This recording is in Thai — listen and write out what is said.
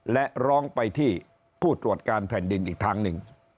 และร้องไปที่ผู้ตรวจการแผ่นดินอีกทางหนึ่ง